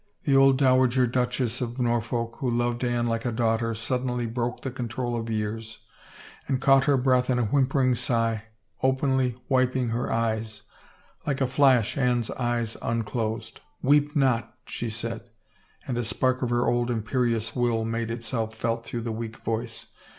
The old Dow ager Duchess of Norfolk who loved Anne like a daughter suddenly broke the control of years, and caught her breath in a whimpering sigh, openly wiping her eyes. Like a flash Anne's eyes unclosed. "Weep not," she said, and a spark of her old imperious will made itself felt through the weak voice.